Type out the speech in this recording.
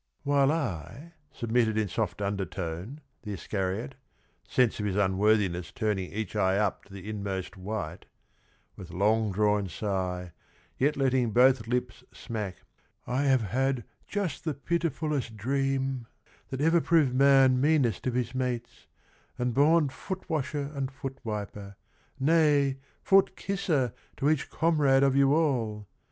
* 'While I,' submitted in soft under tone The Iscariot — sense of his unworthiness Turning each eye up to the inmost white — With long drawn sigh, yet letting both lips smack, ' I have had just the pitif ullest dream That ever proved man meanest of his mates, And born foot washer and foot wiper, nay Foot kisser to each comrade of you all